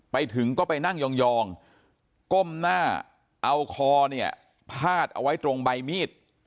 ไปถึงก็ไปนั่งยองก้มหน้าเอาคอเนี่ยพาดเอาไว้ตรงใบมีด